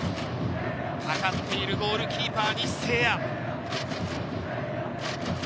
かかっているゴールキーパー・西星哉。